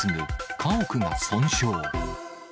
家屋が損傷。